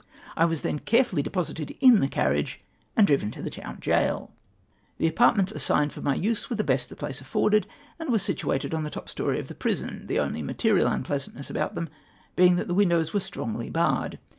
I was then carefully de posited in the carriage, and driven to the town gaol. 174 AND AM CARRIED TO TRISON. The apartments assigned for my use were the best the place afforded, and Avere situated on the top story of the prison, the only material mipleasantuess about them being that the windows were strongly barred.